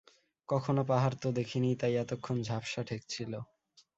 কখনো পাহাড় তো দেখি নি, তাই এতক্ষণ ঝাপসা ঠেকছিল।